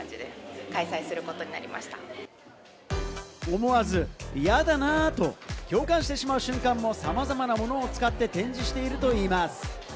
思わず、やだなーと共感してしまう瞬間もさまざまなものを使って展示しているといいます。